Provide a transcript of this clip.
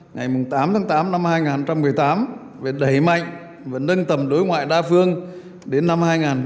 ngày tám tháng tám năm hai nghìn một mươi tám về đẩy mạnh và nâng tầm đối ngoại đa phương đến năm hai nghìn hai mươi